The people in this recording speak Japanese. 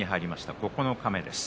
九日目です。